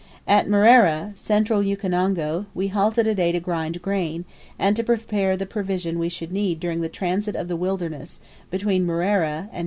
At Mrera, Central Ukonongo, we halted a day to grind grain, and to prepare the provision we should need during the transit of the wilderness between Mrera and Manyara.